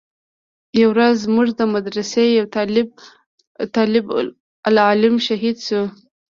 يوه ورځ زموږ د مدرسې يو طالب العلم شهيد سو.